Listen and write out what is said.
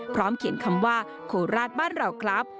เขียนคำว่าโคราชบ้านเราครับ